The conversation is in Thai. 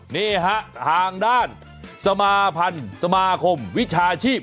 นี่ฮะทางด้านสมาพันธ์สมาคมวิชาชีพ